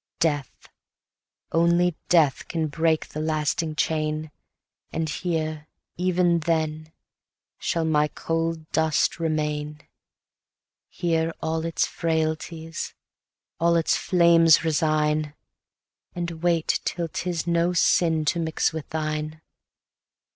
Death, only death, can break the lasting chain; And here, even then, shall my cold dust remain; Here all its frailties, all its flames resign, And wait till 'tis no sin to mix with thine.